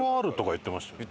言ってましたよね。